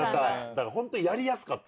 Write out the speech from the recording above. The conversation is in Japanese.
だからホントやりやすかった。